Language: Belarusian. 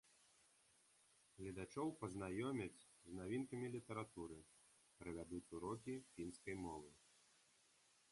Гледачоў пазнаёмяць з навінкамі літаратуры, правядуць урокі фінскай мовы.